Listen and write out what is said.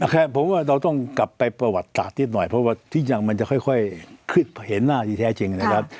ครับผมว่าเราต้องกลับไปประวัติศาสตร์นิดหน่อยเพราะว่าที่ยังมันจะค่อยคิดเห็นหน้าที่แท้จริงนะครับ